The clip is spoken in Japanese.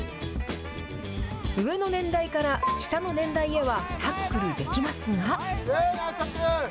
上の年代から下の年代へはタックルできますが。